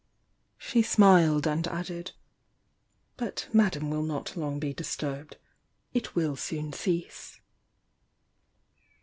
She smiled, and added: "But Madame will not long be disturbed — it will soon cease."